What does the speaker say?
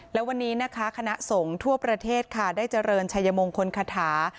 และวันนี้นะคะคณะสงฆ์ทั่วประเทศค่ะได้เจริญชัยมงคลคาถา